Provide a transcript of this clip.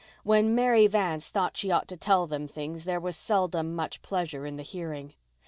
When Mary Vance thought she ought to tell them things there was seldom much pleasure in the hearing.